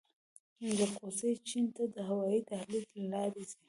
جلغوزي چین ته د هوايي دهلیز له لارې ځي